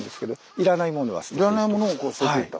いらないものを捨てていった。